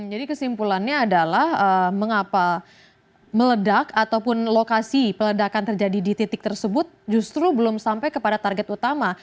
jadi kesimpulannya adalah mengapa meledak ataupun lokasi peledakan terjadi di titik tersebut justru belum sampai kepada target utama